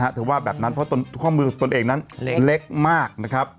ถือว่าแบบนั้นความมือตนเองเล็กมาก